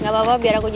baru balik boy